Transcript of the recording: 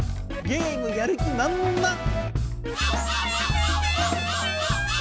ゲームやる気まんまん。